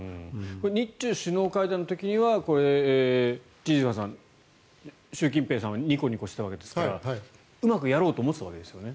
日中首脳会談の時には千々岩さん、習近平さんはニコニコしていたわけですがうまくやろうと思っていたわけですよね。